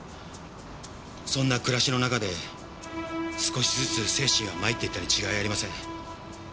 そんな暮らしの中で少しずつ精神は参っていったに違いありません。